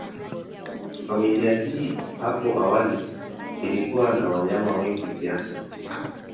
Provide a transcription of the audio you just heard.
Familia hii hapo awali ilikuwa na wanyama wengi kiasi.